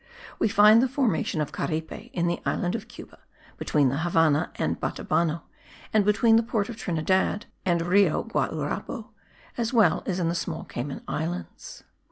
We find the formation of Caripe in the island of Cuba (between the Havannah and Batabano and between the port of Trinidad and Rio Guaurabo), as well in the small Cayman Islands.